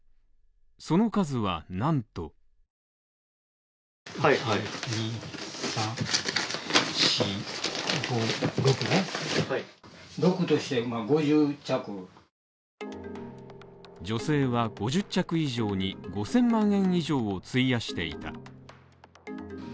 その数はなんと女性は５０着以上に５０００万円以上を費やしていた。